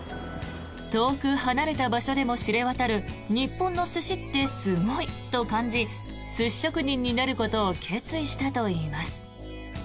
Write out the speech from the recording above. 遠く離れた場所でも知れ渡る日本の寿司ってすごいと感じ寿司職人になることを決意したといいます。